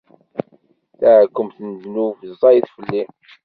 Taɛkemt n ddnub ẓẓayet fell-i.